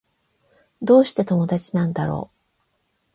どうして友達なんだろう